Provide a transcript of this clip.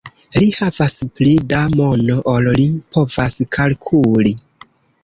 Li havas pli da mono, ol li povas kalkuli.